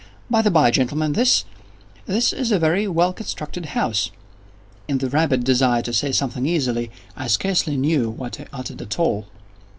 By the bye, gentlemen, this—this is a very well constructed house." (In the rabid desire to say something easily, I scarcely knew what I uttered at all.)